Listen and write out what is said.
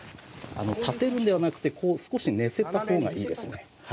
立てるのではなくて、少し寝かせたほうがいいですね。